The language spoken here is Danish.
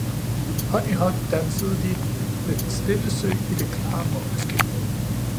Hånd i hånd dansede de ved den stille sø i det klare måneskin